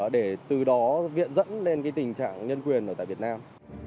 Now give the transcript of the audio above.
để từ đó viện dẫn lên tình trạng nhân quyền ở tại việt nam